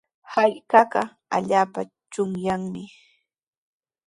Hallqaqa allaapa chunyaqmi.